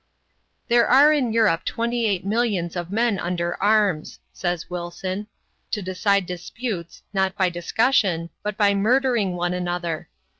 "There are in Europe twenty eight millions of men under arms," says Wilson, "to decide disputes, not by discussion, but by murdering one another.